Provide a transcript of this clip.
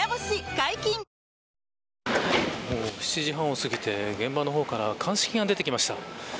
解禁‼７時半を過ぎて、現場の方から鑑識が出てきました。